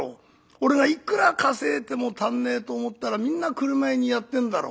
俺がいくら稼えでも足んねえと思ったらみんな俥屋にやってんだろ」。